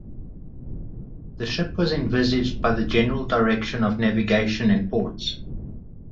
The ship was envisaged by the General Direction of Navigation and Ports.